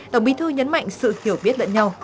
tổng bí thư nhấn mạnh sự hiểu biết lẫn nhau